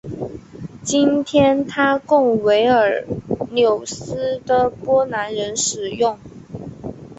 今天它供维尔纽斯的波兰人使用。